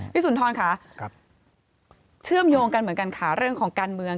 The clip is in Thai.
สุนทรค่ะเชื่อมโยงกันเหมือนกันค่ะเรื่องของการเมือง